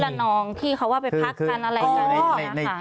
ที่ละนองที่เขาว่าไปพักกันอะไรก็ค่ะ